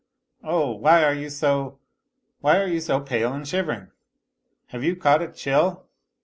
" Oh, why are you so. .. why are you so pale and shivering ? Have you caught a chill